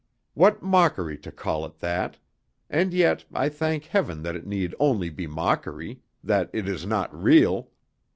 What mockery to call it that; and yet, I thank heaven that it need only be mockery that it is not real.